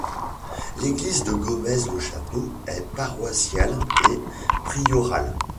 L’église de Gometz-Le-Château est paroissiale et priorale.